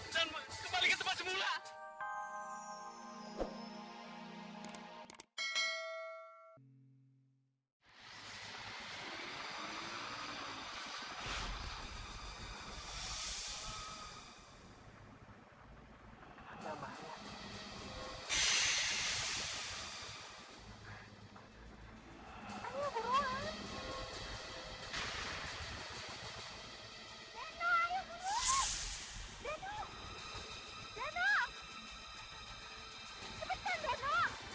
sampai jumpa di video selanjutnya